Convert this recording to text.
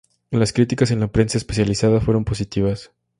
Las críticas en la prensa especializada fueron positivas.